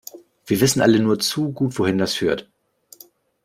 Wir wissen alle nur zu gut, wohin das führt.